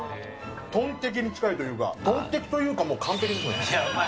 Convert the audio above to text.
トンテキに近いというか、トンテキというかもう完璧ですね。